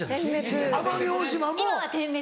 奄美大島も点滅。